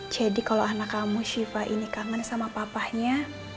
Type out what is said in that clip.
jadi kalau anak kamu shiva ini kangen sama papahnya